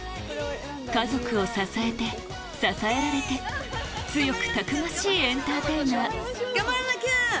家族を支えて支えられて強くたくましいエンターテイナー頑張らなきゃ！